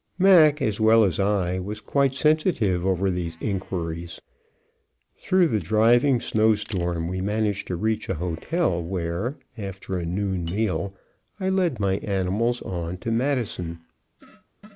Mac, as well as I, was quite sensitive over these inquiries. Through the driving snow storm we managed to reach a hotel where, after a noon meal, I led my animals on to Madison.